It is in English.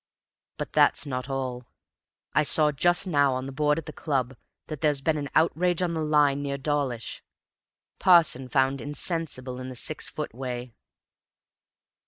But that's not all. I saw just now on the board at the club that there's been an outrage on the line near Dawlish. Parson found insensible in the six foot way.